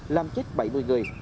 làm chết bảy mươi người